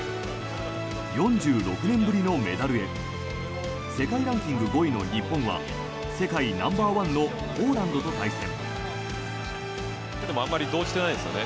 ４６年ぶりのメダルへ世界ランキング５位の日本は世界ナンバー１のポーランドと対戦。